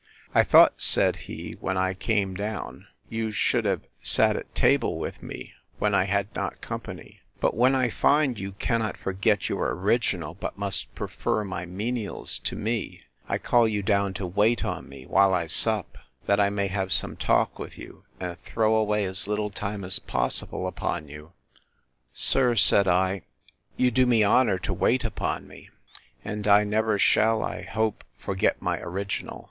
I thought, said he, when I came down, you should have sat at table with me, when I had not company; but when I find you cannot forget your original, but must prefer my menials to me, I call you down to wait on me while I sup, that I may have some talk with you, and throw away as little time as possible upon you. Sir, said I, you do me honour to wait upon you:—And I never shall, I hope, forget my original.